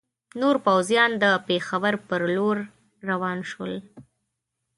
نور پوځیان د پېښور پر لور روان شول.